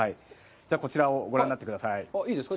こちらをご覧になってください。いいですか？